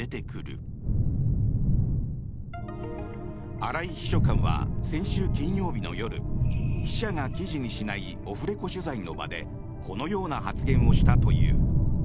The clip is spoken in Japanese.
荒井秘書官は先週金曜日の夜記者が記事にしないオフレコ取材の場でこのような発言をしたという。